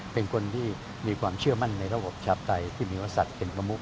เป็นคนที่มีความเชื่อมั่นในระบบชาปไตยที่มีวัตเป็นประมุข